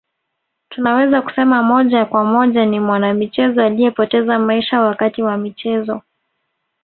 Tunaweza kusema moja kwa moja ni mwanamichezo aliyepoteza maisha wakati wa michezo